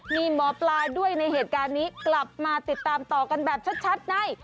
มีหมอปลาด้วยในเหตุการณ์นี้กลับมาติดตามต่อกันแบบชัดใน